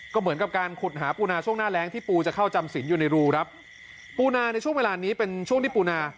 ก็เหมือนกับการขุดหาปูนาช่วงหน้าแรงที่ปูจะเข้าจำสินอยู่ในรูครับปูนาในช่วงเวลานี้เป็นช่วงที่ปูนา